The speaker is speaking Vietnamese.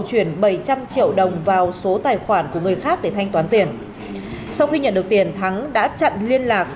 chuyển bảy trăm linh triệu đồng vào số tài khoản của người khác để thanh toán tiền sau khi nhận được tiền thắng đã chặn liên lạc